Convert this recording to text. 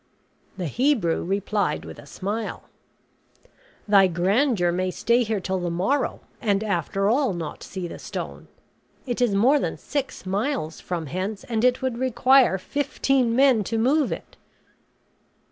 The Hebrew replied with a smile, "Thy grandeur may stay here till the morrow, and after all not see the stone. It is more than six miles from hence; and it would require fifteen men to move it."